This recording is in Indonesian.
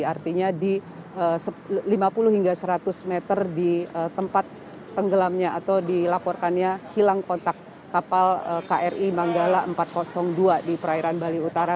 artinya di lima puluh hingga seratus meter di tempat tenggelamnya atau dilaporkannya hilang kontak kapal kri manggala empat ratus dua di perairan bali utara